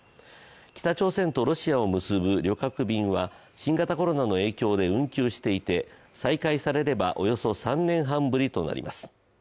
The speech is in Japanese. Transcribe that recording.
北朝鮮とロシアを結ぶ旅客便は新型コロナの影響で運休していて、再開されればおよそ３年半ぶりとなります。